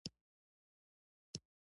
ایا زما مور به ښه شي؟